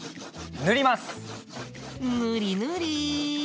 ぬりぬり！